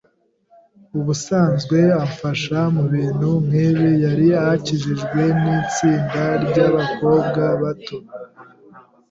Ubusanzwe amfasha mubintu nkibi. yari akikijwe n'itsinda ry'abakobwa bato.